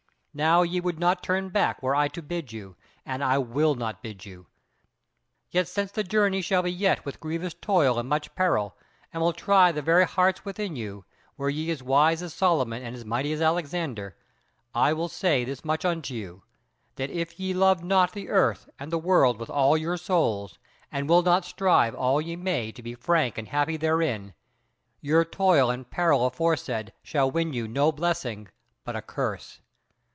Now ye would not turn back were I to bid you, and I will not bid you. Yet since the journey shall be yet with grievous toil and much peril, and shall try the very hearts within you, were ye as wise as Solomon and as mighty as Alexander, I will say this much unto you; that if ye love not the earth and the world with all your souls, and will not strive all ye may to be frank and happy therein, your toil and peril aforesaid shall win you no blessing but a curse.